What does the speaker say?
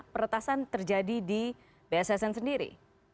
peretasan terjadi di bssn sendiri